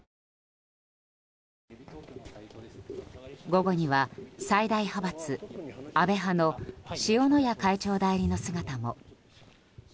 午後には最大派閥・安倍派の塩谷会長代理の姿も。